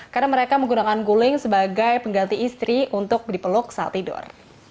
karena mereka menggunakan guling sebagai pengganti istri untuk dipeluk saat tidur